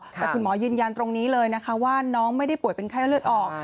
แต่คุณหมอยืนยันตรงนี้เลยนะคะว่าน้องไม่ได้ป่วยเป็นไข้เลือดออก